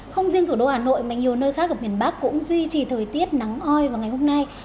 không riêng thủ đô hà nội mà nhiều nơi khác ở miền bắc cũng duy trì thời tiết nắng oi vào ngày hôm nay